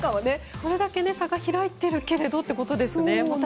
これだけ差は開いているけどということですね。